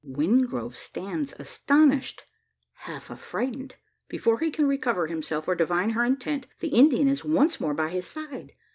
Wingrove stands astonished half afrighted. Before he can recover himself, or divine her intent, the Indian is once more by his side.